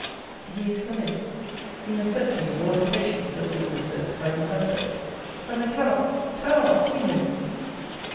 He is come in. He has sent to me, all impatience, as Dorcas says, by his aspect. But I cannot, cannot see him!